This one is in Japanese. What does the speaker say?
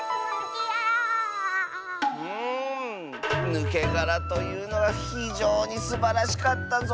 「ぬけがら」というのはひじょうにすばらしかったぞ。